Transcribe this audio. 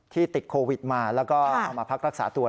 ติดโควิดมาแล้วก็เอามาพักรักษาตัว